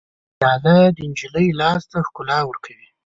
پیاله د نجلۍ لاس ته ښکلا ورکوي.